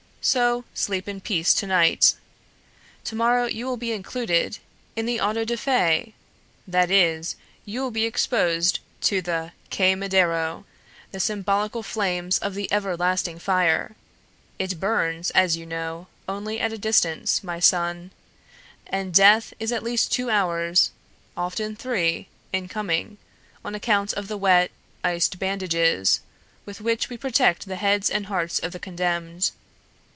So sleep in peace to night. Tomorrow you will be included in the auto da fé: that is, you will be exposed to the quémadero, the symbolical flames of the Everlasting Fire: it burns, as you know, only at a distance, my son; and Death is at least two hours (often three) in coming, on account of the wet, iced bandages, with which we protect the heads and hearts of the condemned.